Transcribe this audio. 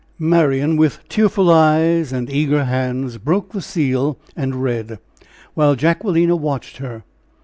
Marian, with tearful eyes and eager hands, broke the seal and read, while Jacquelina watched her.